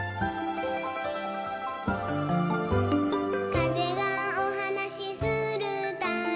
「かぜがおはなしするたび」